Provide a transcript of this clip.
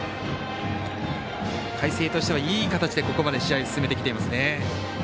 海星としてはいい形でここまで試合を進めてきていますね。